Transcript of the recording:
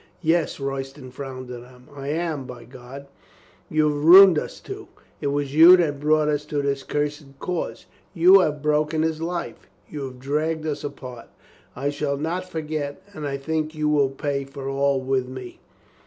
"Yes." Royston frowned at her. "I am, by God. You have ruined us two. It was you that brought us to this cursed cause. You have broken his life. You have dragged us apart. I shall not forget. And I think you will pay for all with me."